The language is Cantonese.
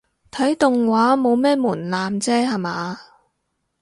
睇動畫冇咩門檻啫吓嘛